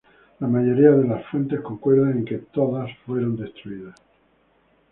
La mayoría de fuentes concuerdan en que todas fueron destruidas.